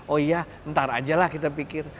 oh iya ntar aja lah kita pikir